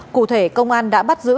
cụ thể công an đã bắt giữ